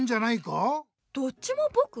どっちもぼく？